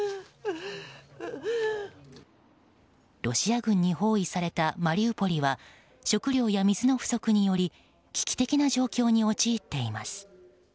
ロシア軍に包囲されたマリウポリは食料や水の不足により危機的な状況に陥っています。